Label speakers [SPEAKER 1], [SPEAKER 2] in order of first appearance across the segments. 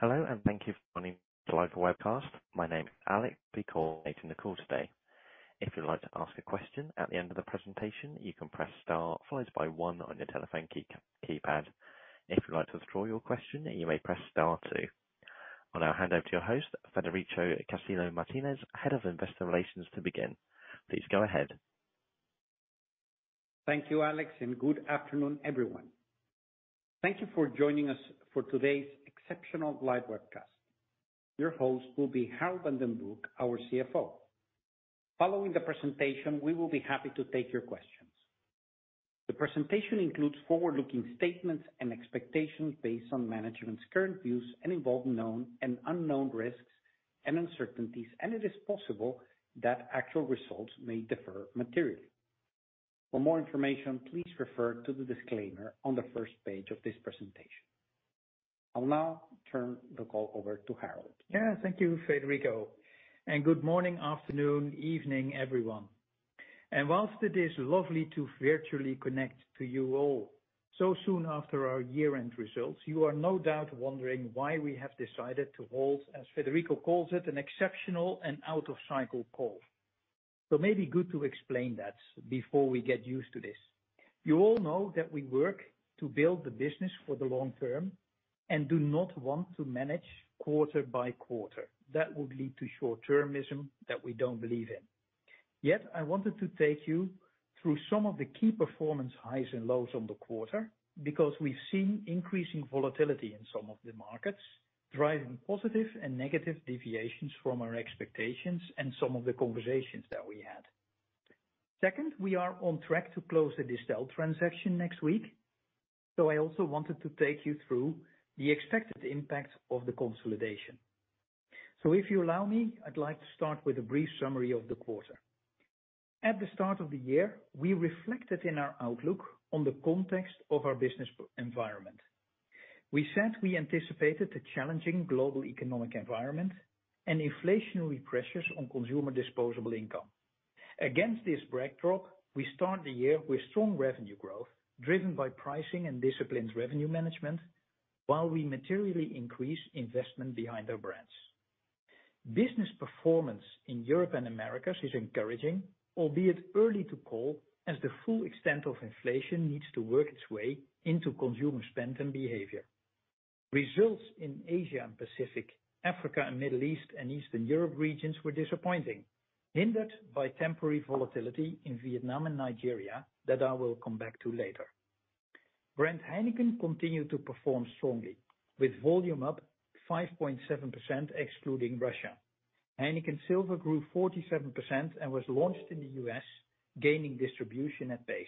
[SPEAKER 1] Hello, and thank you for calling the live webcast. My name is Alex, I'll be coordinating the call today. If you'd like to ask a question at the end of the presentation, you can press star followed by one on your telephone keypad. If you'd like to withdraw your question, you may press star two. I'll now hand over to your host, Federico Castillo Martinez, Head of Investor Relations to begin. Please go ahead.
[SPEAKER 2] Thank you, Alex. Good afternoon, everyone. Thank you for joining us for today's exceptional live webcast. Your host will be Harold van den Broek, our CFO. Following the presentation, we will be happy to take your questions. The presentation includes forward-looking statements and expectations based on management's current views and involve known and unknown risks and uncertainties, and it is possible that actual results may differ materially. For more information, please refer to the disclaimer on the first page of this presentation. I'll now turn the call over to Harold.
[SPEAKER 3] Yeah. Thank you, Federico, good morning, afternoon, evening, everyone. Whilst it is lovely to virtually connect to you all so soon after our year-end results, you are no doubt wondering why we have decided to hold, as Federico calls it, an exceptional and out of cycle call. May be good to explain that before we get used to this. You all know that we work to build the business for the long term and do not want to manage quarter by quarter. That would lead to short-termism that we don't believe in. Yet, I wanted to take you through some of the key performance highs and lows on the quarter, because we've seen increasing volatility in some of the markets, driving positive and negative deviations from our expectations and some of the conversations that we had. Second, we are on track to close the Distell transaction next week, so I also wanted to take you through the expected impact of the consolidation. If you allow me, I'd like to start with a brief summary of the quarter. At the start of the year, we reflected in our outlook on the context of our business environment. We said we anticipated a challenging global economic environment and inflationary pressures on consumer disposable income. Against this backdrop, we start the year with strong revenue growth, driven by pricing and disciplined revenue management, while we materially increase investment behind our brands. Business performance in Europe and Americas is encouraging, albeit early to call, as the full extent of inflation needs to work its way into consumer spend and behavior. Results in Asia and Pacific, Africa and Middle East and Eastern Europe regions were disappointing, hindered by temporary volatility in Vietnam and Nigeria that I will come back to later. Brand Heineken continued to perform strongly, with volume up 5.7% excluding Russia. Heineken Silver grew 47% and was launched in the U.S., gaining distribution at pace.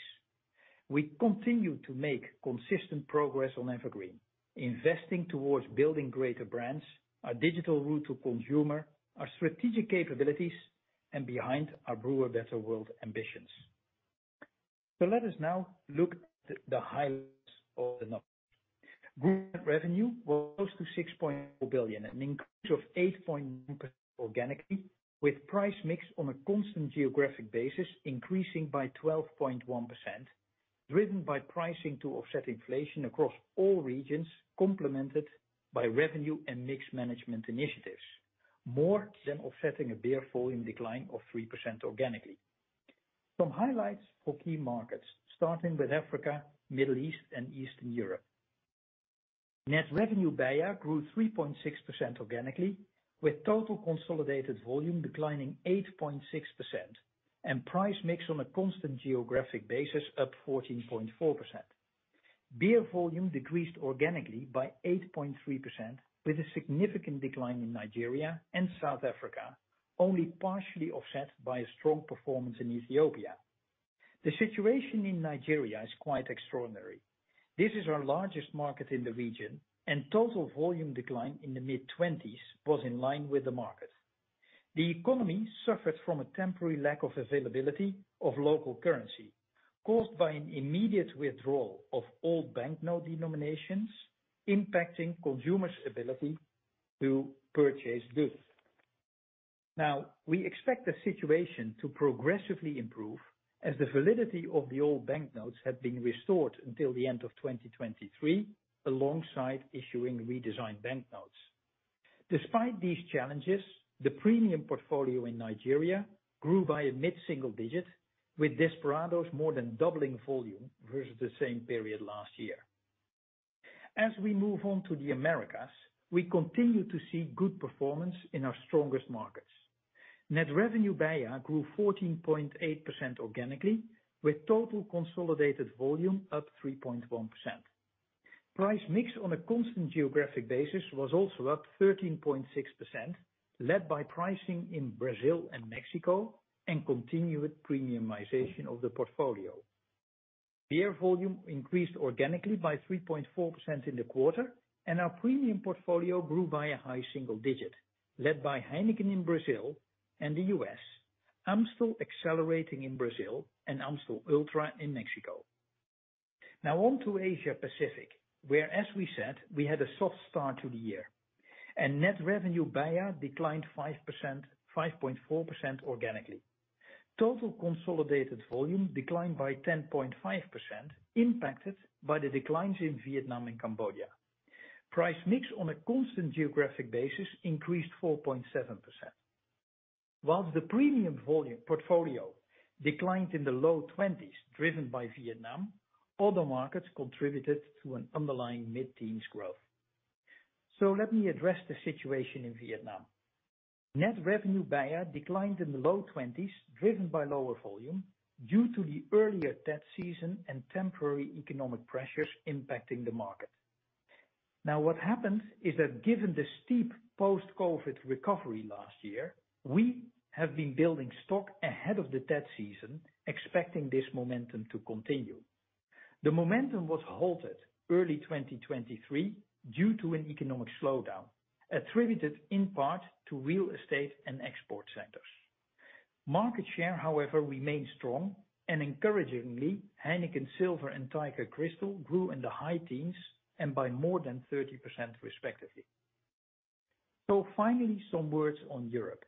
[SPEAKER 3] We continue to make consistent progress on EverGreen, investing towards building greater brands, our digital route to consumer, our strategic capabilities, and behind our Brew a Better World ambitions. Let us now look at the highlights of the number. Group revenue was close to 6.4 billion, an increase of 8.9% organically, with price-mix on a constant geographic basis increasing by 12.1%, driven by pricing to offset inflation across all regions, complemented by revenue and mix management initiatives, more than offsetting a beer volume decline of 3% organically. Some highlights for key markets, starting with Africa, Middle East, and Eastern Europe. Net revenue BEIA grew 3.6% organically, with total consolidated volume declining 8.6%, and price-mix on a constant geographic basis up 14.4%. Beer volume decreased organically by 8.3%, with a significant decline in Nigeria and South Africa, only partially offset by a strong performance in Ethiopia. The situation in Nigeria is quite extraordinary. This is our largest market in the region, total volume decline in the mid-20s was in line with the market. The economy suffered from a temporary lack of availability of local currency caused by an immediate withdrawal of all banknote denominations, impacting consumers' ability to purchase goods. We expect the situation to progressively improve as the validity of the old banknotes have been restored until the end of 2023, alongside issuing redesigned banknotes. Despite these challenges, the premium portfolio in Nigeria grew by a mid-single-digit, with Desperados more than doubling volume versus the same period last year. As we move on to the Americas, we continue to see good performance in our strongest markets. Net revenue BEIA grew 14.8% organically, with total consolidated volume up 3.1%. Price mix on a constant geographic basis was also up 13.6%, led by pricing in Brazil and Mexico and continued premiumization of the portfolio. Beer volume increased organically by 3.4% in the quarter, and our premium portfolio grew by a high single digit, led by Heineken in Brazil and the U.S., Amstel accelerating in Brazil and Amstel Ultra in Mexico. Now on to Asia Pacific, where, as we said, we had a soft start to the year. Net revenue BEIA declined 5%, 5.4% organically. Total consolidated volume declined by 10.5% impacted by the declines in Vietnam and Cambodia. Price mix on a constant geographic basis increased 4.7%. Whilst the premium volume portfolio declined in the low twenties, driven by Vietnam, other markets contributed to an underlying mid-teens growth. Let me address the situation in Vietnam. Net revenue BEIA declined in the low 20s, driven by lower volume due to the earlier Tet season and temporary economic pressures impacting the market. What happens is that given the steep post-Covid recovery last year, we have been building stock ahead of the Tet season, expecting this momentum to continue. The momentum was halted early 2023 due to an economic slowdown, attributed in part to real estate and export centers. Market share, however, remains strong and encouragingly, Heineken Silver and Tiger Crystal grew in the high teens and by more than 30% respectively. Finally, some words on Europe.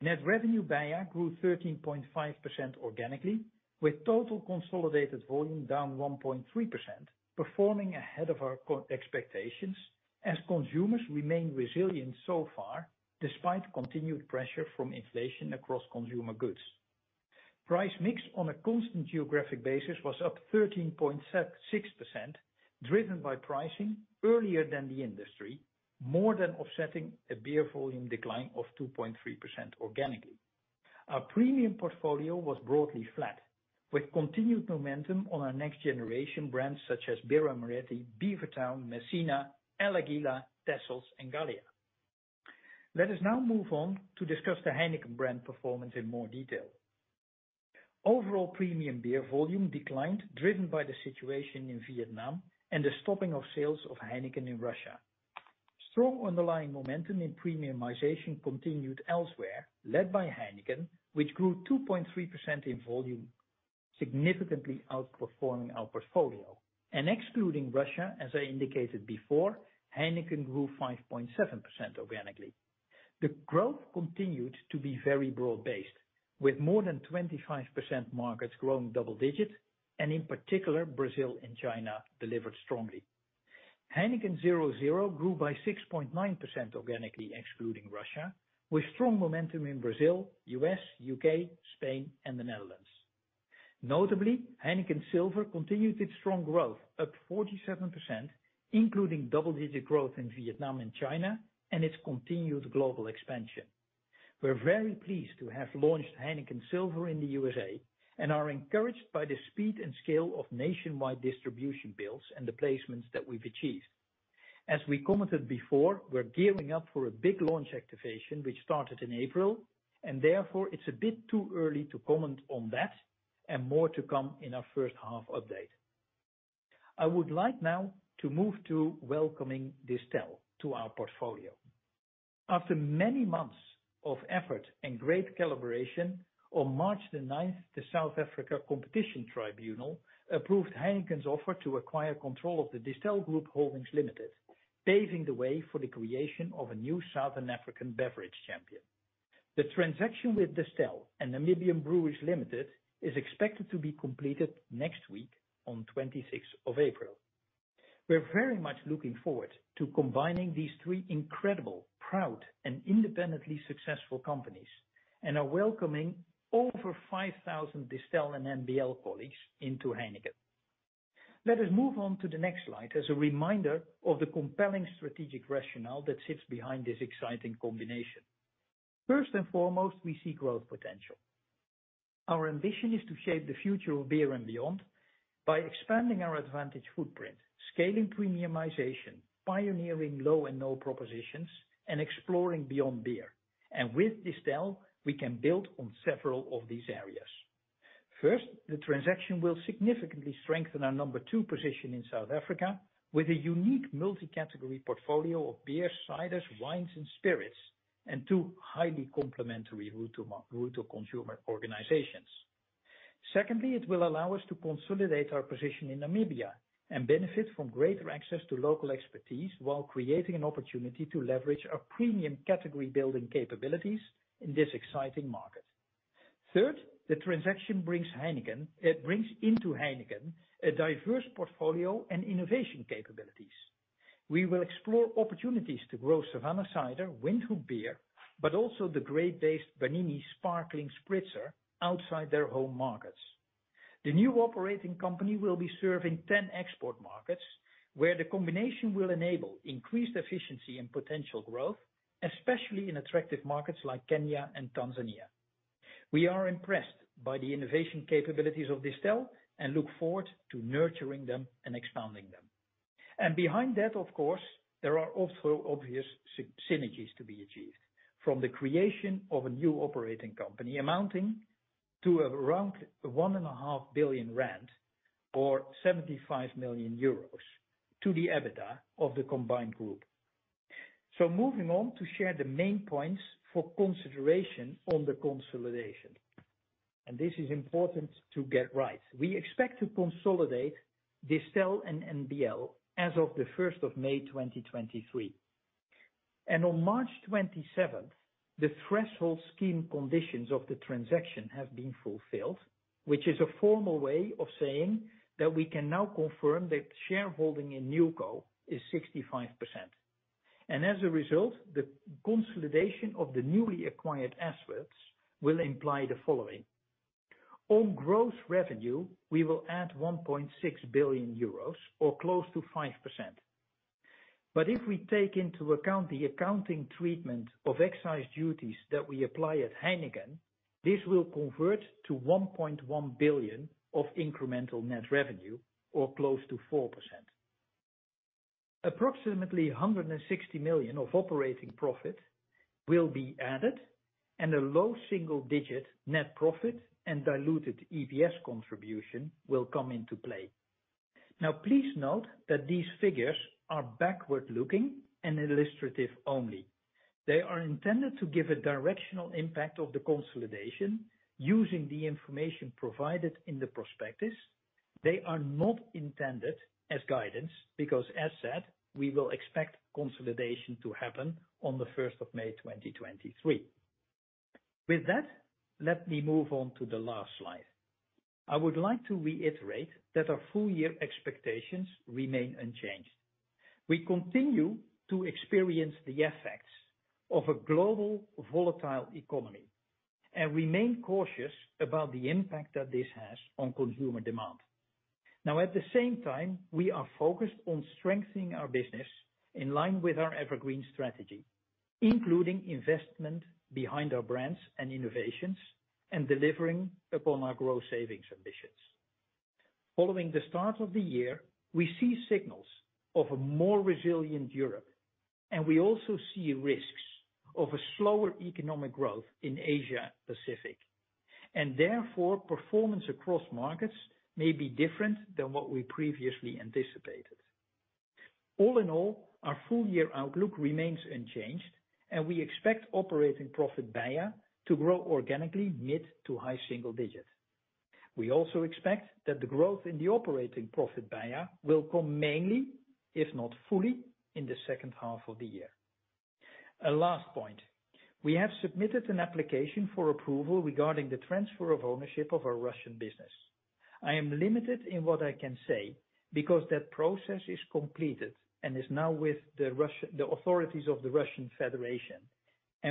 [SPEAKER 3] Net revenue BEIA grew 13.5% organically, with total consolidated volume down 1.3% performing ahead of our expectations as consumers remain resilient so far, despite continued pressure from inflation across consumer goods. Price mix on a constant geographic basis was up 13.6%, driven by pricing earlier than the industry, more than offsetting a beer volume decline of 2.3% organically. Our premium portfolio was broadly flat, with continued momentum on our next generation brands such as Birra Moretti, Beavertown, Messina, El Águila, Texels and Gallia. Let us now move on to discuss the Heineken brand performance in more detail. Overall premium beer volume declined, driven by the situation in Vietnam and the stopping of sales of Heineken in Russia. Strong underlying momentum in premiumization continued elsewhere, led by Heineken, which grew 2.3% in volume, significantly outperforming our portfolio. Excluding Russia, as I indicated before, Heineken grew 5.7% organically. The growth continued to be very broad-based with more than 25% markets growing double digits. In particular, Brazil and China delivered strongly. Heineken 0.0 grew by 6.9% organically, excluding Russia, with strong momentum in Brazil, U.S., U.K., Spain and the Netherlands. Notably, Heineken Silver continued its strong growth, up 47%, including double-digit growth in Vietnam and China and its continued global expansion. We're very pleased to have launched Heineken Silver in the U.S. and are encouraged by the speed and scale of nationwide distribution builds and the placements that we've achieved. As we commented before, we're gearing up for a big launch activation, which started in April. Therefore, it's a bit too early to comment on that and more to come in our first half update. I would like now to move to welcoming Distell to our portfolio. After many months of effort and great collaboration, on March the ninth, the South African Competition Tribunal approved Heineken's offer to acquire control of the Distell Group Holdings Limited, paving the way for the creation of a new Southern African beverage champion. The transaction with Distell and Namibia Breweries Limited is expected to be completed next week on twenty-sixth of April. We're very much looking forward to combining these three incredible, proud, and independently successful companies, and are welcoming over 5,000 Distell and NBL colleagues into Heineken. Let us move on to the next slide as a reminder of the compelling strategic rationale that sits behind this exciting combination. First and foremost, we see growth potential. Our ambition is to shape the future of beer and beyond by expanding our advantage footprint, scaling premiumization, pioneering low and no propositions, and exploring beyond beer. With Distell, we can build on several of these areas. First, the transaction will significantly strengthen our number two position in South Africa with a unique multi-category portfolio of beer, ciders, wines and spirits, and two highly complementary route to consumer organizations. It will allow us to consolidate our position in Namibia and benefit from greater access to local expertise while creating an opportunity to leverage our premium category building capabilities in this exciting market. The transaction brings it into Heineken a diverse portfolio and innovation capabilities. We will explore opportunities to grow Savanna Cider, Windhoek Beer, but also the grape-based Bernini Sparkling Spritzer outside their home markets. The new operating company will be serving 10 export markets, where the combination will enable increased efficiency and potential growth, especially in attractive markets like Kenya and Tanzania. We are impressed by the innovation capabilities of Distell and look forward to nurturing them and expanding them. Behind that, of course, there are also obvious synergies to be achieved from the creation of a new operating company, amounting to around 1.5 billion rand or 75 million euros to the EBITDA of the combined group. Moving on to share the main points for consideration on the consolidation. This is important to get right. We expect to consolidate Distell and NBL as of May 1, 2023. On March 27, the threshold scheme conditions of the transaction have been fulfilled, which is a formal way of saying that we can now confirm that shareholding in Newco is 65%. As a result, the consolidation of the newly acquired assets will imply the following. On gross revenue, we will add 1.6 billion euros or close to 5%. If we take into account the accounting treatment of excise duties that we apply at Heineken, this will convert to 1.1 billion of incremental net revenue or close to 4%. Approximately 160 million of operating profit will be added and a low single-digit net profit and diluted EPS contribution will come into play. Please note that these figures are backward-looking and illustrative only. They are intended to give a directional impact of the consolidation using the information provided in the prospectus. They are not intended as guidance because, as said, we will expect consolidation to happen on the 1st of May 2023. With that, let me move on to the last slide. I would like to reiterate that our full-year expectations remain unchanged. We continue to experience the effects of a global volatile economy and remain cautious about the impact that this has on consumer demand. At the same time, we are focused on strengthening our business in line with our EverGreen strategy, including investment behind our brands and innovations and delivering upon our growth savings ambitions. Following the start of the year, we see signals of a more resilient Europe, and we also see risks of a slower economic growth in Asia Pacific. Therefore, performance across markets may be different than what we previously anticipated. All in all, our full-year outlook remains unchanged, and we expect operating profit BEIA to grow organically mid to high single digit. We also expect that the growth in the operating profit BEIA will come mainly, if not fully, in the second half of the year. A last point, we have submitted an application for approval regarding the transfer of ownership of our Russian business. I am limited in what I can say because that process is completed and is now with the authorities of the Russian Federation.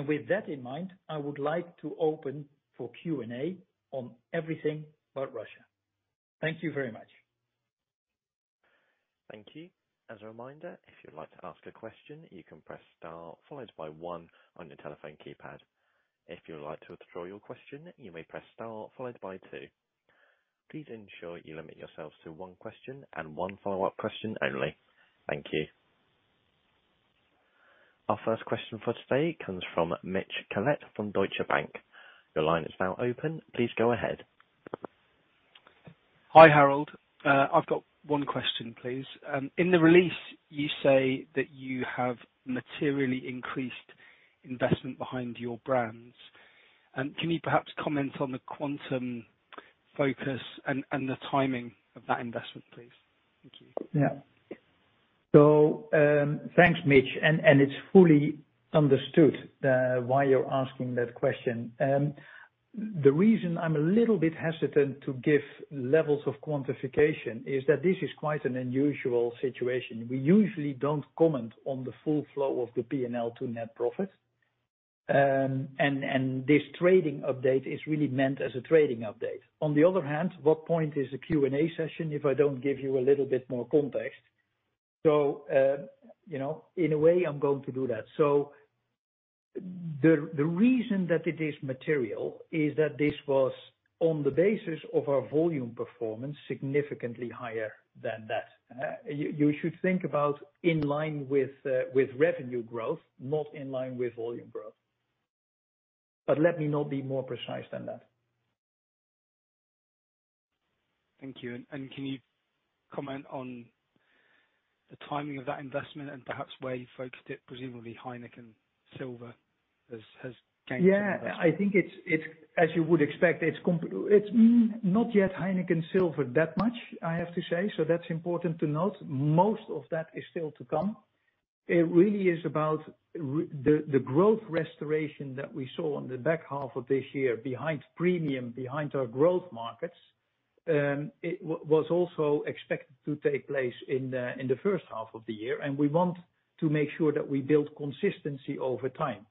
[SPEAKER 3] With that in mind, I would like to open for Q&A on everything but Russia. Thank you very much.
[SPEAKER 1] Thank you. As a reminder, if you'd like to ask a question, you can press star followed by one on your telephone keypad. If you would like to withdraw your question, you may press star followed by two. Please ensure you limit yourselves to one question and one follow-up question only. Thank you. Our first question for today comes from Mitch Collett from Deutsche Bank. Your line is now open. Please go ahead.
[SPEAKER 4] Hi, Harold. I've got one question, please. In the release, you say that you have materially increased investment behind your brands. Can you perhaps comment on the quantum focus and the timing of that investment, please? Thank you.
[SPEAKER 3] Yeah. Thanks, Mitch. And it's fully understood why you're asking that question. The reason I'm a little bit hesitant to give levels of quantification is that this is quite an unusual situation. We usually don't comment on the full flow of the P&L to net profit. This trading update is really meant as a trading update. On the other hand, what point is a Q&A session if I don't give you a little bit more context? You know, in a way, I'm going to do that. The reason that it is material is that this was on the basis of our volume performance, significantly higher than that. You should think about in line with revenue growth, not in line with volume growth. Let me not be more precise than that.
[SPEAKER 4] Thank you. Can you comment on the timing of that investment and perhaps where you focused it, presumably Heineken Silver has gained...
[SPEAKER 3] I think it's As you would expect, it's not yet Heineken Silver that much, I have to say. That's important to note. Most of that is still to come. It really is about the growth restoration that we saw on the back half of this year behind premium, behind our growth markets. It was also expected to take place in the first half of the year, and we want to make sure that we build consistency over time.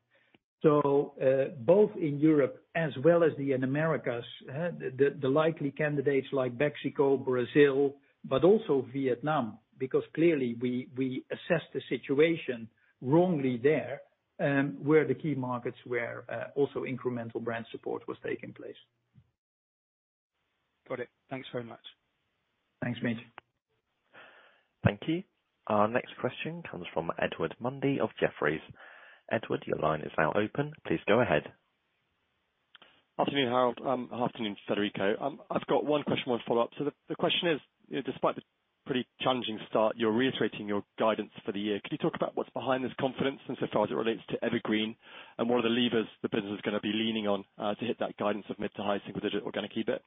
[SPEAKER 3] Both in Europe as well as the Americas, the likely candidates like Mexico, Brazil, but also Vietnam, because clearly we assess the situation wrongly there, were the key markets where also incremental brand support was taking place.
[SPEAKER 4] Got it. Thanks very much.
[SPEAKER 3] Thanks, Mitch.
[SPEAKER 1] Thank you. Our next question comes from Edward Mundy of Jefferies. Edward, your line is now open. Please go ahead.
[SPEAKER 5] Afternoon, Harold. Afternoon, Federico. I've got one question, one follow-up. The question is, despite Pretty challenging start. You're reiterating your guidance for the year. Could you talk about what's behind this confidence and so far as it relates to EverGreen and what are the levers the business is gonna be leaning on to hit that guidance of mid to high single-digit organic EBIT?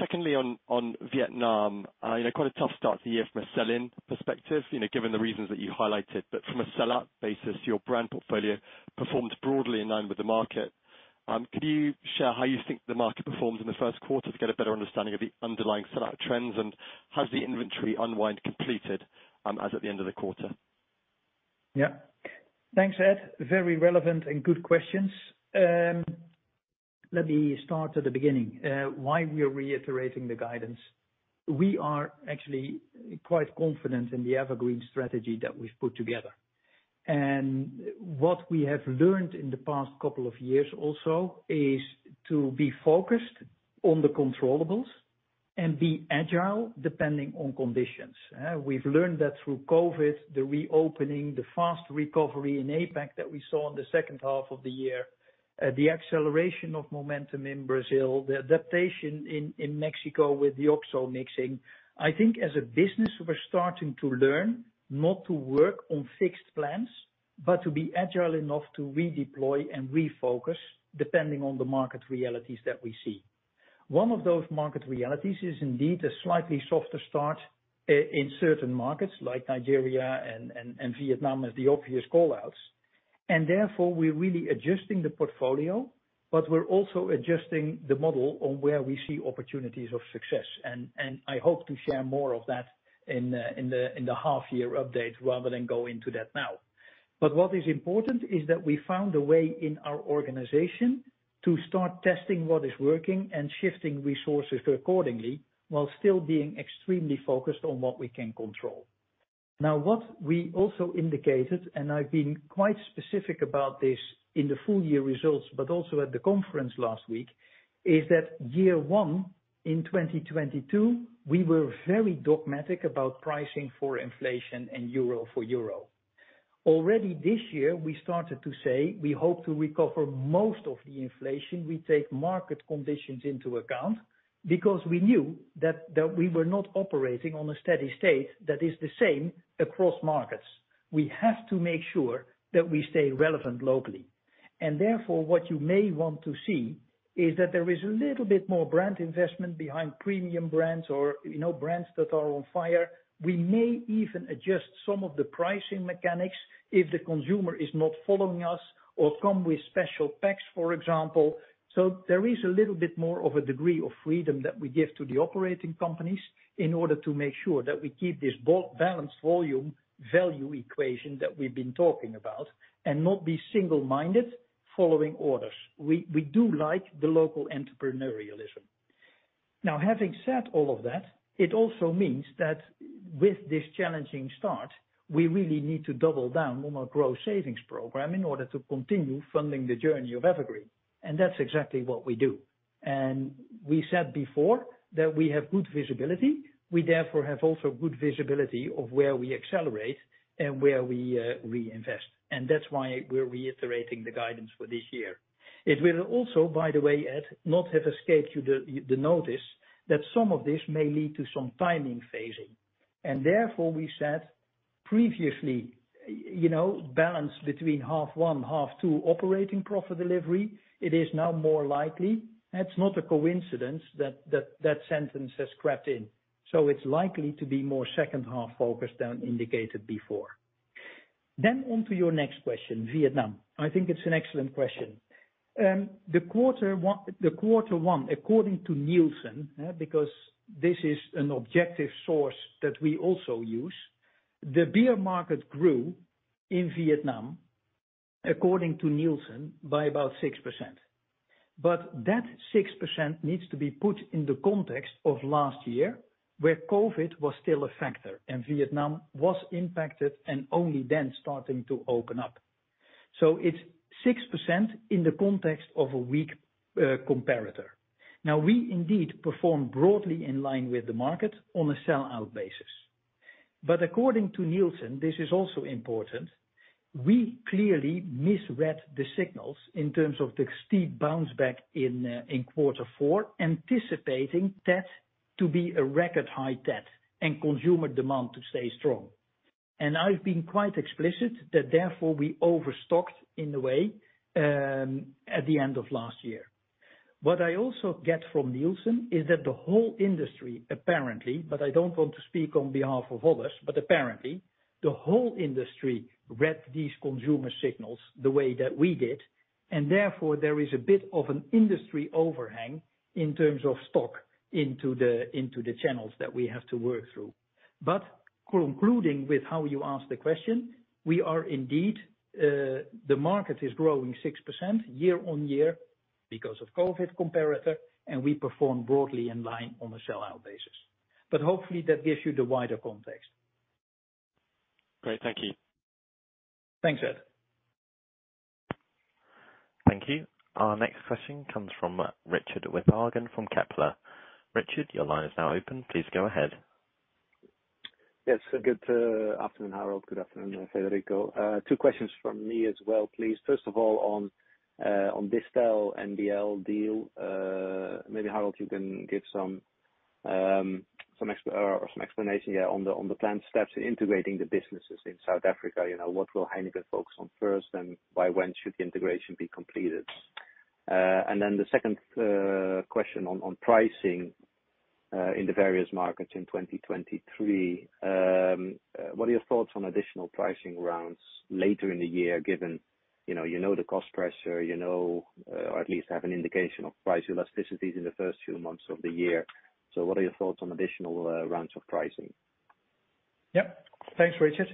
[SPEAKER 5] Secondly, on Vietnam, you know, quite a tough start to the year from a sell-in perspective, you know, given the reasons that you highlighted, but from a sell-out basis, your brand portfolio performed broadly in line with the market. Can you share how you think the market performed in the first quarter to get a better understanding of the underlying sell-out trends and has the inventory unwind completed as at the end of the quarter?
[SPEAKER 3] Yeah. Thanks, Ed. Very relevant and good questions. Let me start at the beginning, why we are reiterating the guidance. We are actually quite confident in the EverGreen strategy that we've put together. What we have learned in the past couple of years also is to be focused on the controllables and be agile depending on conditions. We've learned that through COVID, the reopening, the fast recovery in APAC that we saw in the second half of the year, the acceleration of momentum in Brazil, the adaptation in Mexico with the OXXO mixing. I think as a business, we're starting to learn not to work on fixed plans, but to be agile enough to redeploy and refocus depending on the market realities that we see. One of those market realities is indeed a slightly softer start in certain markets, like Nigeria and Vietnam as the obvious call-outs. Therefore we're really adjusting the portfolio, but we're also adjusting the model on where we see opportunities of success. I hope to share more of that in the half year update rather than go into that now. What is important is that we found a way in our organization to start testing what is working and shifting resources accordingly while still being extremely focused on what we can control. Now, what we also indicated, I've been quite specific about this in the full year results, but also at the conference last week, is that year one in 2022, we were very dogmatic about pricing for inflation and euro for euro. Already this year, we started to say, we hope to recover most of the inflation. We take market conditions into account because we knew that we were not operating on a steady state that is the same across markets. We have to make sure that we stay relevant locally. Therefore, what you may want to see is that there is a little bit more brand investment behind premium brands or, you know, brands that are on fire. We may even adjust some of the pricing mechanics if the consumer is not following us or come with special packs, for example. There is a little bit more of a degree of freedom that we give to the operating companies in order to make sure that we keep this balanced volume value equation that we've been talking about and not be single-minded following orders. We do like the local entrepreneurialism. Now, having said all of that, it also means that with this challenging start, we really need to double down on our growth savings program in order to continue funding the journey of EverGreen. That's exactly what we do. We said before that we have good visibility. We therefore have also good visibility of where we accelerate and where we invest. That's why we're reiterating the guidance for this year. It will also, by the way, Ed, not have escaped you the notice that some of this may lead to some timing phasing. Therefore, we said previously, you know, balance between half one, half two operating profit delivery, it is now more likely. That's not a coincidence that sentence has crept in. It's likely to be more second half focused than indicated before. On to your next question, Vietnam. I think it's an excellent question. The quarter one, according to Nielsen, because this is an objective source that we also use, the beer market grew in Vietnam, according to Nielsen, by about 6%. That 6% needs to be put in the context of last year, where COVID was still a factor and Vietnam was impacted and only then starting to open up. It's 6% in the context of a weak comparator. Now, we indeed perform broadly in line with the market on a sell-out basis. According to Nielsen, this is also important, we clearly misread the signals in terms of the steep bounce back in quarter four, anticipating that to be a record high debt and consumer demand to stay strong. I've been quite explicit that therefore we overstocked in a way at the end of last year. What I also get from Nielsen is that the whole industry, apparently, but I don't want to speak on behalf of others, but apparently, the whole industry read these consumer signals the way that we did, and therefore, there is a bit of an industry overhang in terms of stock into the channels that we have to work through. Concluding with how you asked the question, we are indeed, the market is growing 6% year-on-year because of COVID comparator, and we perform broadly in line on a sell-out basis. Hopefully, that gives you the wider context.
[SPEAKER 5] Great. Thank you.
[SPEAKER 3] Thanks, Ed.
[SPEAKER 1] Thank you. Our next question comes from Richard Withagen from Kepler. Richard, your line is now open. Please go ahead.
[SPEAKER 6] Yes. Good afternoon, Harold. Good afternoon, Federico. Two questions from me as well, please. First of all, on Distell NBL deal, maybe Harold, you can give some explanation on the planned steps in integrating the businesses in South Africa. You know, what will Heineken focus on first, and by when should the integration be completed? The second question on pricing in the various markets in 2023. What are your thoughts on additional pricing rounds later in the year given, you know, you know the cost pressure, you know, or at least have an indication of price elasticities in the first few months of the year. What are your thoughts on additional rounds of pricing?
[SPEAKER 3] Thanks, Richard.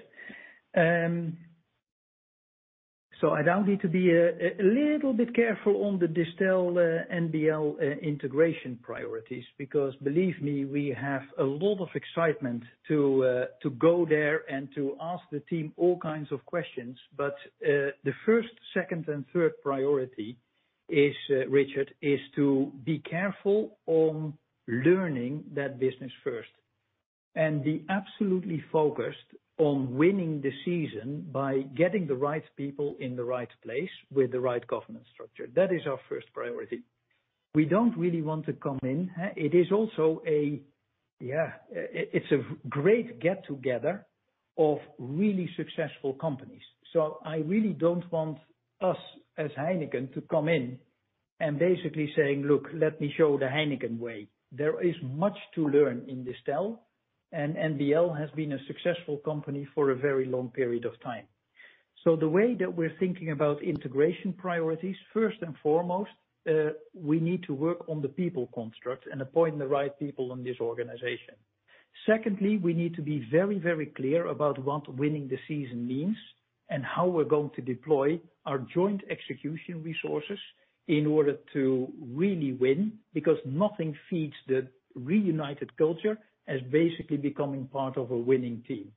[SPEAKER 3] I now need to be a little bit careful on the Distell NBL integration priorities, because believe me, we have a lot of excitement to go there and to ask the team all kinds of questions. The first, second, and third priority is, Richard, is to be careful on learning that business first. Be absolutely focused on winning the season by getting the right people in the right place with the right governance structure. That is our first priority. We don't really want to come in. It is also it's a great get-together of really successful companies. I really don't want us, as Heineken, to come in and basically saying, "Look, let me show the Heineken way." There is much to learn in Distell, and NBL has been a successful company for a very long period of time. The way that we're thinking about integration priorities, first and foremost, we need to work on the people construct and appoint the right people in this organization. Secondly, we need to be very clear about what winning the season means and how we're going to deploy our joint execution resources in order to really win, because nothing feeds the reunited culture as basically becoming part of a winning team.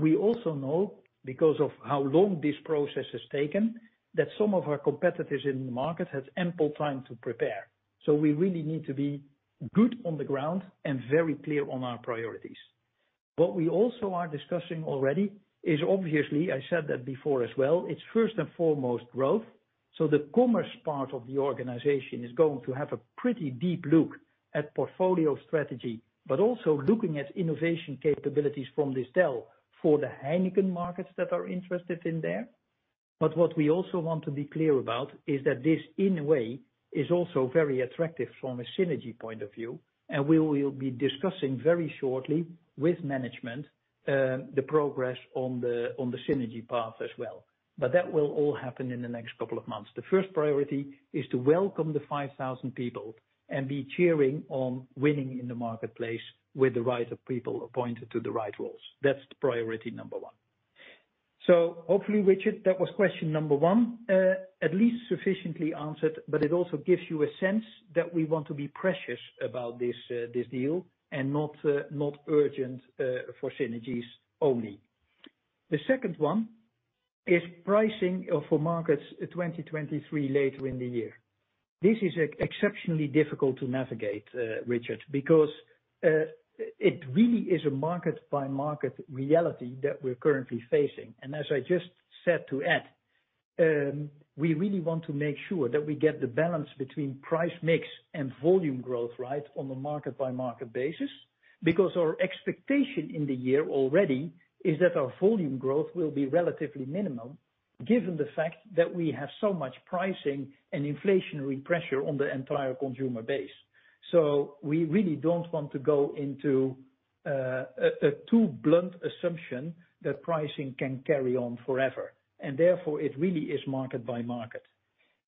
[SPEAKER 3] We also know, because of how long this process has taken, that some of our competitors in the market has ample time to prepare. We really need to be good on the ground and very clear on our priorities. What we also are discussing already is obviously, I said that before as well, it's first and foremost growth. The commerce part of the organization is going to have a pretty deep look at portfolio strategy, but also looking at innovation capabilities from Distell for the Heineken markets that are interested in there. What we also want to be clear about is that this in a way is also very attractive from a synergy point of view, and we will be discussing very shortly with management, the progress on the, on the synergy path as well. That will all happen in the next couple of months. The first priority is to welcome the 5,000 people and be cheering on winning in the marketplace with the right people appointed to the right roles. That's priority number one. Hopefully, Richard, that was question number one, at least sufficiently answered, but it also gives you a sense that we want to be precious about this deal and not urgent for synergies only. The second one is pricing for markets 2023 later in the year. This is exceptionally difficult to navigate, Richard, because it really is a market by market reality that we're currently facing. As I just said to Ed, we really want to make sure that we get the balance between price-mix and volume growth right on a market by market basis, because our expectation in the year already is that our volume growth will be relatively minimum given the fact that we have so much pricing and inflationary pressure on the entire consumer base. We really don't want to go into a too blunt assumption that pricing can carry on forever, and therefore it really is market by market.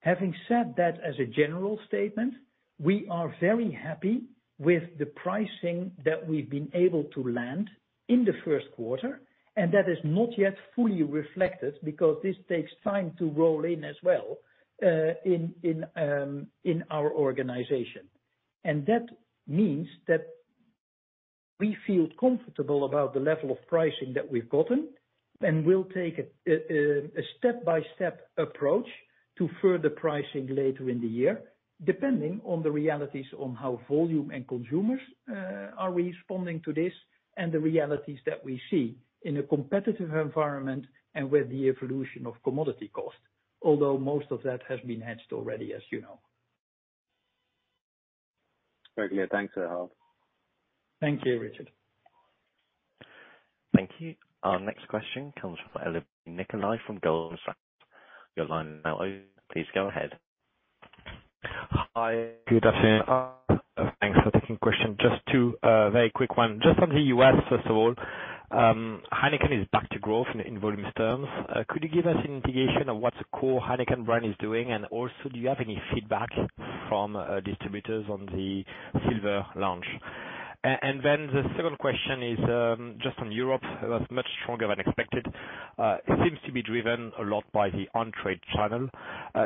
[SPEAKER 3] Having said that as a general statement, we are very happy with the pricing that we've been able to land in the first quarter, and that is not yet fully reflected because this takes time to roll in as well, in our organization. That means that we feel comfortable about the level of pricing that we've gotten, and we'll take a step-by-step approach to further pricing later in the year, depending on the realities on how volume and consumers are responding to this and the realities that we see in a competitive environment and with the evolution of commodity cost. Although most of that has been hedged already, as you know.
[SPEAKER 6] Very clear. Thanks, Harold.
[SPEAKER 3] Thank you, Richard.
[SPEAKER 1] Thank you. Our next question comes from Olivier Nicolai from Goldman Sachs. Your line is now open. Please go ahead.
[SPEAKER 7] Hi. Good afternoon. Thanks for taking question. Just two, very quick one. Just on the U.S., first of all, Heineken is back to growth in volumes terms. Could you give us an indication of what the core Heineken brand is doing? Also, do you have any feedback from distributors on the Silver launch? The second question is, just on Europe, it was much stronger than expected. It seems to be driven a lot by the on-trade channel.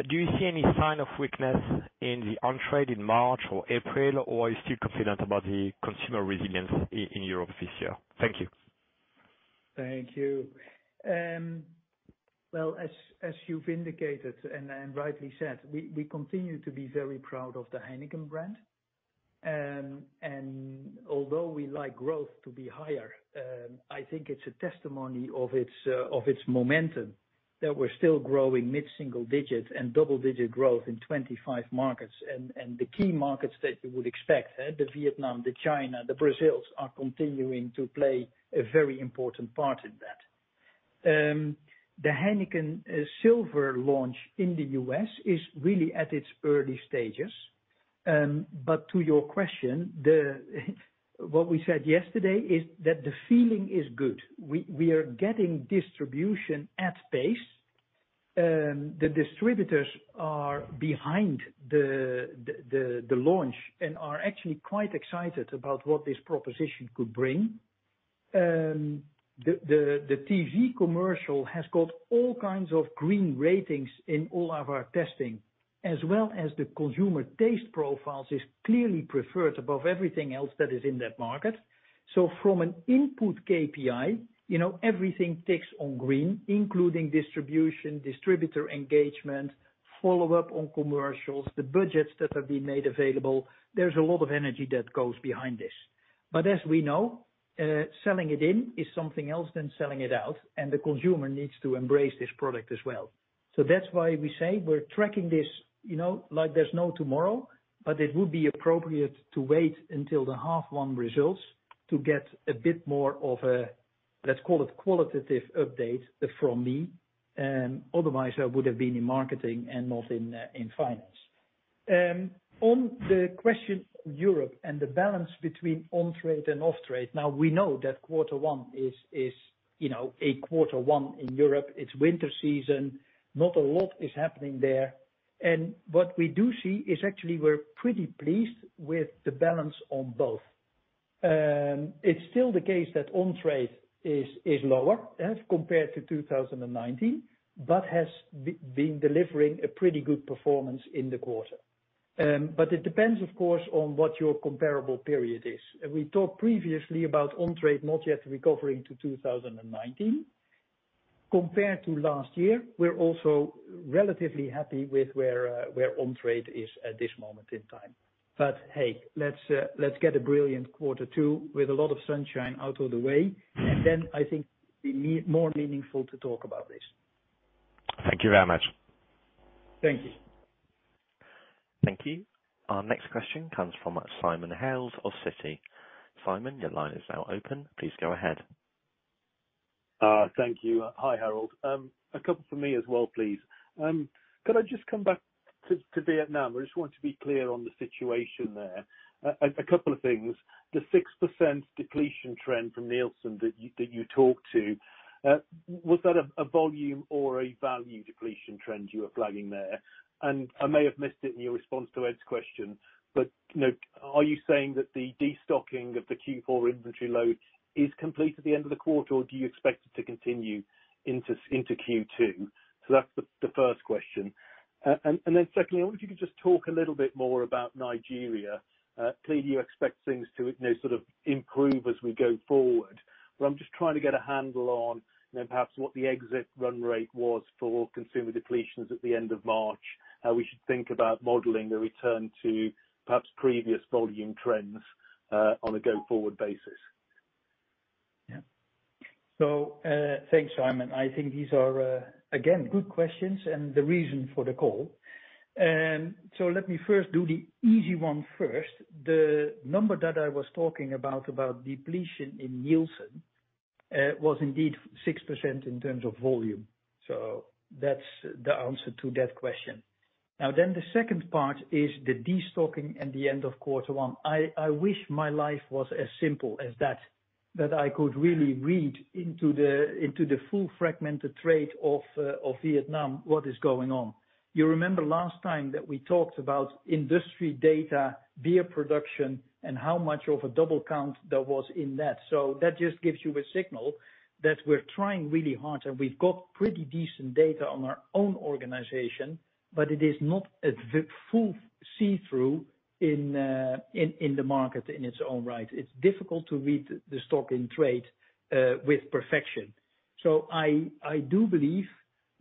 [SPEAKER 7] Do you see any sign of weakness in the on-trade in March or April, or are you still confident about the consumer resilience in Europe this year? Thank you.
[SPEAKER 3] Thank you. Well, as you've indicated and rightly said, we continue to be very proud of the Heineken brand. Although we like growth to be higher, I think it's a testimony of its momentum that we're still growing mid-single digit and double digit growth in 25 markets. The key markets that you would expect, eh? The Vietnam, the China, the Brazil, are continuing to play a very important part in that. The Heineken Silver launch in the U.S. is really at its early stages. To your question, what we said yesterday is that the feeling is good. We are getting distribution at pace. The distributors are behind the launch and are actually quite excited about what this proposition could bring. The TV commercial has got all kinds of green ratings in all of our testing, as well as the consumer taste profiles is clearly preferred above everything else that is in that market. From an input KPI, you know, everything ticks on green, including distribution, distributor engagement, follow-up on commercials, the budgets that have been made available. There's a lot of energy that goes behind this. As we know, selling it in is something else than selling it out, and the consumer needs to embrace this product as well. That's why we say we're tracking this, you know, like there's no tomorrow, but it would be appropriate to wait until the half one results to get a bit more of a, let's call it qualitative update from me, otherwise I would have been in marketing and not in finance. On the question of Europe and the balance between on-trade and off-trade. We know that quarter one is, you know, a quarter one in Europe. It's winter season. Not a lot is happening there. What we do see is actually we're pretty pleased with the balance on both. It's still the case that on-trade is lower as compared to 2019, but has been delivering a pretty good performance in the quarter. It depends, of course, on what your comparable period is. We talked previously about on-trade not yet recovering to 2019. Compared to last year, we're also relatively happy with where on-trade is at this moment in time. Hey, let's get a brilliant quarter two with a lot of sunshine out of the way. I think it'd be more meaningful to talk about this.
[SPEAKER 7] Thank you very much.
[SPEAKER 3] Thank you.
[SPEAKER 1] Thank you. Our next question comes from Simon Hales of Citi. Simon, your line is now open. Please go ahead.
[SPEAKER 8] Thank you. Hi, Harold. A couple from me as well, please. Could I just come back to Vietnam? I just want to be clear on the situation there. A couple of things. The 6% depletion trend from Nielsen that you talked to, was that a volume or a value depletion trend you are flagging there? I may have missed it in your response to Ed's question, but, you know, are you saying that the destocking of the Q4 inventory load is complete at the end of the quarter, or do you expect it to continue into Q2? That's the first question. Then secondly, I wonder if you could just talk a little bit more about Nigeria. Clearly you expect things to, you know, sort of improve as we go forward. I'm just trying to get a handle on, you know, perhaps what the exit run rate was for consumer depletions at the end of March. How we should think about modeling the return to perhaps previous volume trends on a go-forward basis.
[SPEAKER 3] Yeah. Thanks, Simon. I think these are again good questions and the reason for the call. Let me first do the easy one first. The number that I was talking about depletion in Nielsen, was indeed 6% in terms of volume. That's the answer to that question. The second part is the destocking at the end of quarter one. I wish my life was as simple as that I could really read into the, into the full fragmented trade of Vietnam what is going on. You remember last time that we talked about industry data, beer production, and how much of a double count there was in that. That just gives you a signal that we're trying really hard, and we've got pretty decent data on our own organization, but it is not a full see-through in the market in its own right. It's difficult to read the stock in trade, with perfection. I do believe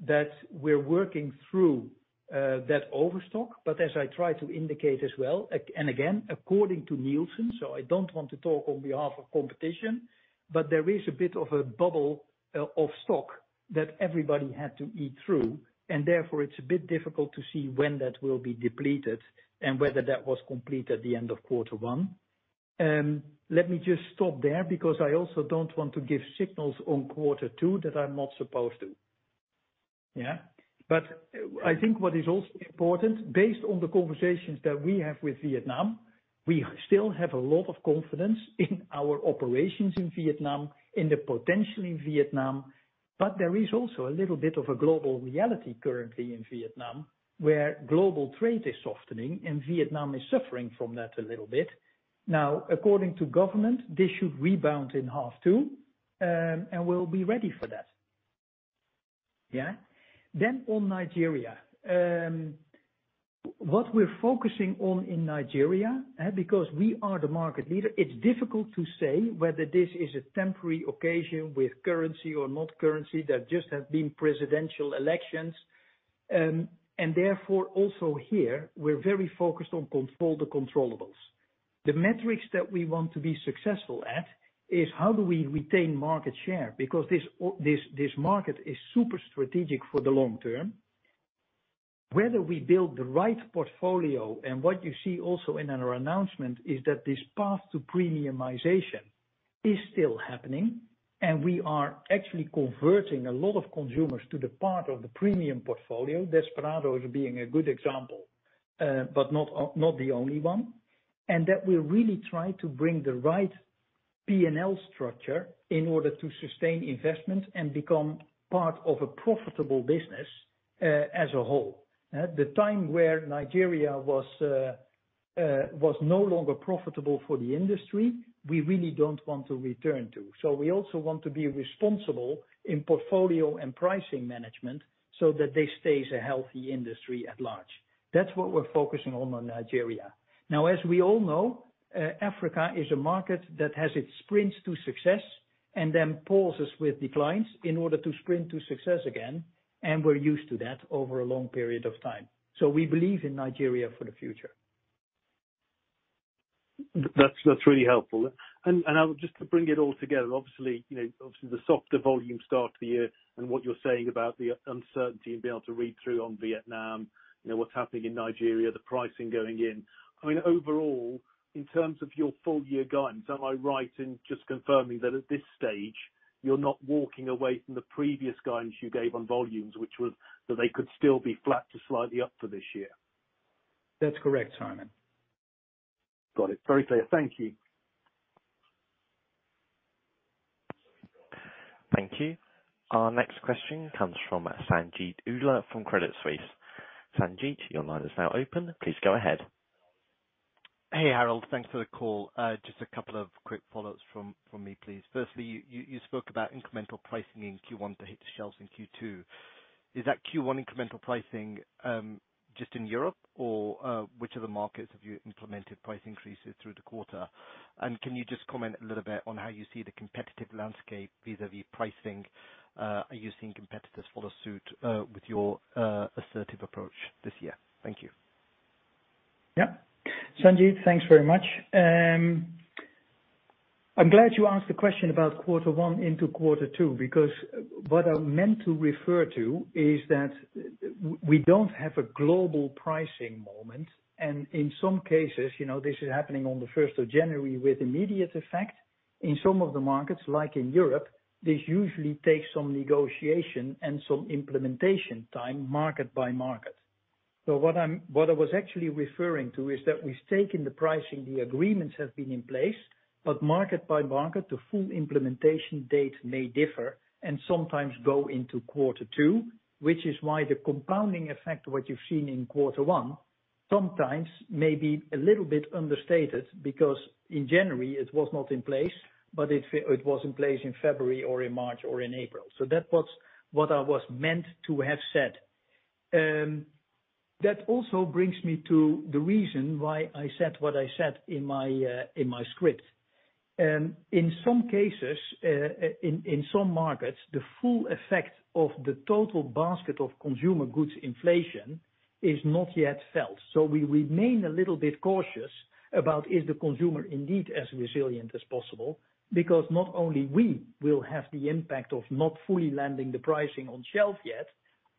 [SPEAKER 3] that we're working through, that overstock, but as I try to indicate as well, and again, according to Nielsen, so I don't want to talk on behalf of competition, but there is a bit of a bubble of stock that everybody had to eat through, and therefore it's a bit difficult to see when that will be depleted and whether that was complete at the end of quarter one. Let me just stop there because I also don't want to give signals on quarter two that I'm not supposed to. Yeah. I think what is also important, based on the conversations that we have with Vietnam, we still have a lot of confidence in our operations in Vietnam, in the potential in Vietnam. There is also a little bit of a global reality currently in Vietnam, where global trade is softening and Vietnam is suffering from that a little bit. According to government, this should rebound in H2, and we'll be ready for that. Yeah. On Nigeria. What we're focusing on in Nigeria, because we are the market leader, it's difficult to say whether this is a temporary occasion with currency or not currency. There just has been presidential elections, and therefore, also here, we're very focused on control the controllables. The metrics that we want to be successful at is how do we retain market share? This market is super strategic for the long term. Whether we build the right portfolio, what you see also in our announcement is that this path to premiumization is still happening, and we are actually converting a lot of consumers to the part of the premium portfolio. Desperados is being a good example, but not the only one. That we really try to bring the right P&L structure in order to sustain investments and become part of a profitable business as a whole. At the time where Nigeria was no longer profitable for the industry, we really don't want to return to. We also want to be responsible in portfolio and pricing management so that this stays a healthy industry at large. That's what we're focusing on Nigeria. As we all know, Africa is a market that has its sprints to success and then pauses with declines in order to sprint to success again, and we're used to that over a long period of time. We believe in Nigeria for the future.
[SPEAKER 8] That's really helpful. Just to bring it all together, obviously, you know, obviously the softer volume start to the year and what you're saying about the uncertainty and being able to read through on Vietnam, you know, what's happening in Nigeria, the pricing going in. I mean, overall, in terms of your full year guidance, am I right in just confirming that at this stage, you're not walking away from the previous guidance you gave on volumes, which was that they could still be flat to slightly up for this year?
[SPEAKER 3] That's correct, Simon.
[SPEAKER 8] Got it. Very clear. Thank you.
[SPEAKER 1] Thank you. Our next question comes from Sanjeet Aujla from Credit Suisse. Sanjit, your line is now open. Please go ahead.
[SPEAKER 9] Hey, Harold. Thanks for the call. Just a couple of quick follow-ups from me, please. Firstly, you spoke about incremental pricing in Q1 to hit the shelves in Q2. Is that Q1 incremental pricing just in Europe, or which other markets have you implemented price increases through the quarter? Can you just comment a little bit on how you see the competitive landscape vis-à-vis pricing? Are you seeing competitors follow suit with your assertive approach this year? Thank you.
[SPEAKER 3] Yeah. Sanjeet, thanks very much. I'm glad you asked the question about quarter one into quarter two, because what I meant to refer to is that we don't have a global pricing moment, and in some cases, you know, this is happening on the 1st of January with immediate effect. In some of the markets, like in Europe, this usually takes some negotiation and some implementation time, market by market. What I was actually referring to, is that we've taken the pricing, the agreements have been in place, but market by market, the full implementation date may differ and sometimes go into quarter two, which is why the compounding effect, what you've seen in quarter one, sometimes may be a little bit understated because in January it was not in place, but it was in place in February or in March or in April. That was what I was meant to have said. That also brings me to the reason why I said what I said in my script. In some cases, in some markets, the full effect of the total basket of consumer goods inflation is not yet felt. We remain a little bit cautious about, is the consumer indeed as resilient as possible? Because not only we will have the impact of not fully landing the pricing on shelf yet,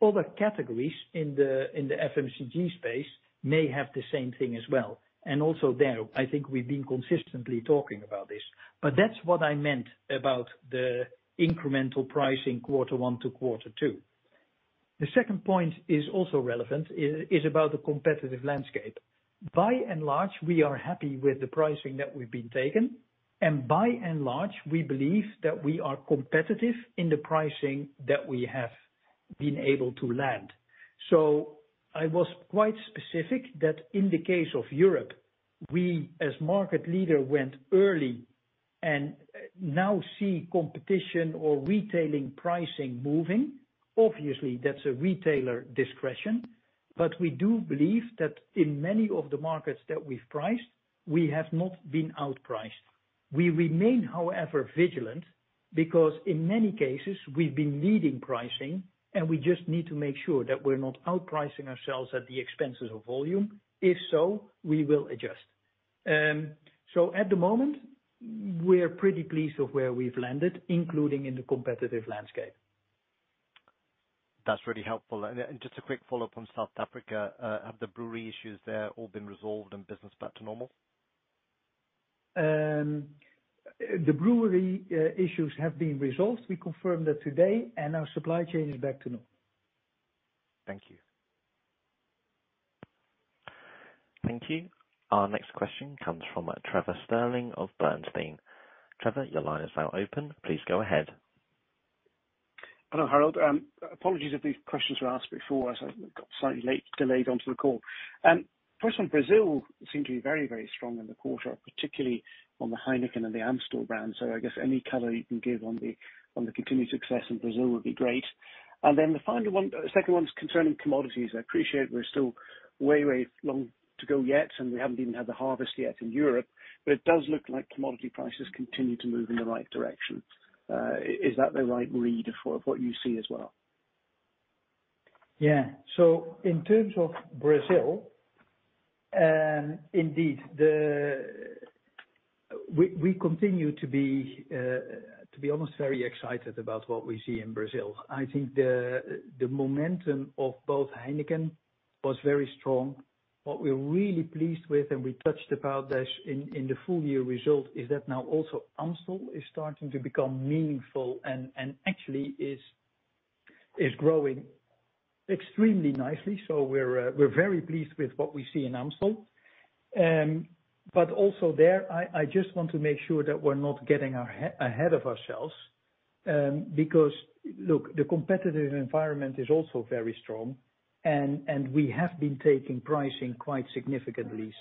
[SPEAKER 3] other categories in the FMCG space may have the same thing as well. Also there, I think we've been consistently talking about this. That's what I meant about the incremental pricing quarter one to quarter two. The second point is also relevant, is about the competitive landscape. By and large, we are happy with the pricing that we've been taking. By and large, we believe that we are competitive in the pricing that we have been able to land. I was quite specific that in the case of Europe, we, as market leader, went early and now see competition or retailing pricing moving. Obviously, that's a retailer discretion. We do believe that in many of the markets that we've priced, we have not been outpriced. We remain, however, vigilant because in many cases, we've been leading pricing, and we just need to make sure that we're not outpricing ourselves at the expense of volume. If so, we will adjust. At the moment we're pretty pleased with where we've landed, including in the competitive landscape.
[SPEAKER 9] That's really helpful. Just a quick follow-up on South Africa, have the brewery issues there all been resolved and business back to normal?
[SPEAKER 3] The brewery issues have been resolved. We confirmed that today. Our supply chain is back to normal.
[SPEAKER 9] Thank you.
[SPEAKER 1] Thank you. Our next question comes from Trevor Stirling of Bernstein. Trevor, your line is now open. Please go ahead.
[SPEAKER 10] Hello, Harold. Apologies if these questions were asked before, as I got slightly late, delayed onto the call. First on Brazil, seem to be very, very strong in the quarter, particularly on the Heineken and the Amstel brands. I guess any color you can give on the, on the continued success in Brazil would be great. The final one, second one is concerning commodities. I appreciate we're still way long to go yet, and we haven't even had the harvest yet in Europe, but it does look like commodity prices continue to move in the right direction. Is that the right read for what you see as well?
[SPEAKER 3] In terms of Brazil, indeed we continue to be almost very excited about what we see in Brazil. I think the momentum of both Heineken was very strong. What we're really pleased with, and we touched about this in the full year result, is that now also Amstel is starting to become meaningful and actually is growing extremely nicely. We're very pleased with what we see in Amstel. But also there, I just want to make sure that we're not getting ahead of ourselves, because look, the competitive environment is also very strong and we have been taking pricing quite significantly.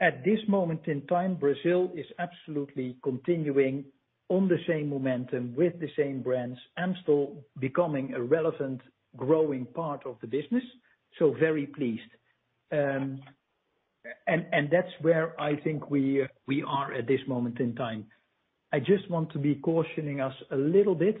[SPEAKER 3] At this moment in time, Brazil is absolutely continuing on the same momentum with the same brands. Amstel becoming a relevant, growing part of the business, so very pleased. That's where I think we are at this moment in time. I just want to be cautioning us a little bit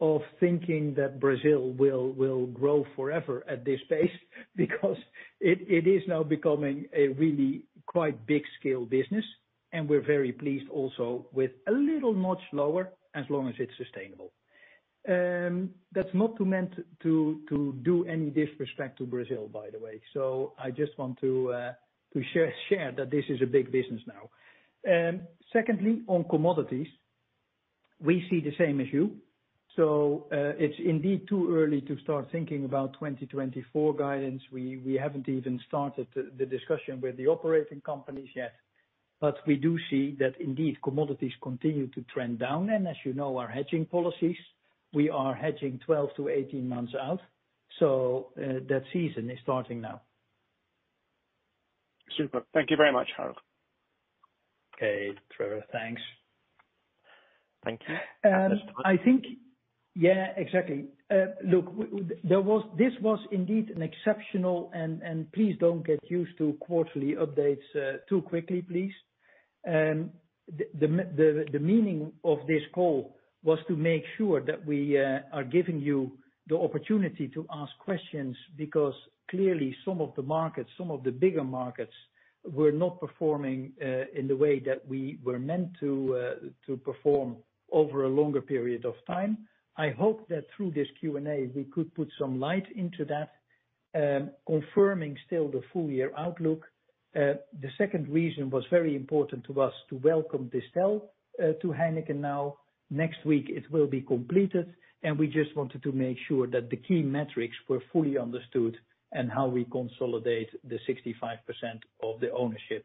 [SPEAKER 3] of thinking that Brazil will grow forever at this pace because it is now becoming a really quite big scale business, and we're very pleased also with a little much slower, as long as it's sustainable. That's not to meant to do any disrespect to Brazil, by the way. I just want to to share that this is a big business now. Secondly, on commodities, we see the same issue. It's indeed too early to start thinking about 2024 guidance. We haven't even started the discussion with the operating companies yet. We do see that indeed, commodities continue to trend down. As you know, our hedging policies, we are hedging 12-18 months out, so that season is starting now.
[SPEAKER 10] Super. Thank you very much, Harold.
[SPEAKER 3] Okay, Trevor, thanks.
[SPEAKER 1] Thank you.
[SPEAKER 3] I think... Yeah, exactly. Look, there was... this was indeed an exceptional, and please don't get used to quarterly updates too quickly, please. The meaning of this call was to make sure that we are giving you the opportunity to ask questions, because clearly some of the markets, some of the bigger markets were not performing in the way that we were meant to perform over a longer period of time. I hope that through this Q&A, we could put some light into that, confirming still the full year outlook. The second reason was very important to us to welcome Distell to Heineken now. Next week it will be completed, and we just wanted to make sure that the key metrics were fully understood and how we consolidate the 65% of the ownership.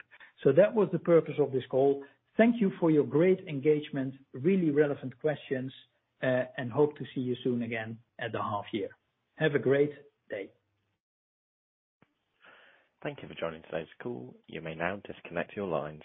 [SPEAKER 3] That was the purpose of this call. Thank you for your great engagement, really relevant questions, and hope to see you soon again at the half year. Have a great day.
[SPEAKER 1] Thank you for joining today's call. You may now disconnect your lines.